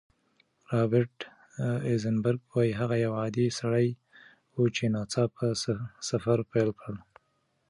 رابرټ ایزنبرګ وايي، هغه یو عادي سړی و چې ناڅاپه سفر پیل کړ.